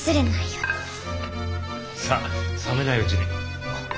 さあ冷めないうちに。